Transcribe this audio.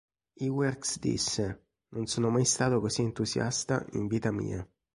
Iwerks disse: "Non sono mai stato così entusiasta in vita mia.